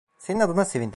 Senin adına sevindim.